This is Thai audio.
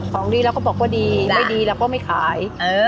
ของดีเราก็บอกว่าดีไม่ดีเราก็ไม่ขาย